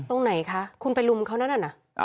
ตรงไหนคะคุณไปลุมเขานั่นน่ะ